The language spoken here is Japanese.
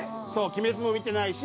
『鬼滅』も見てないし